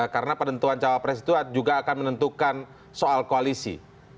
karena penentuan cawapres itu juga akan menentukan soal koalisi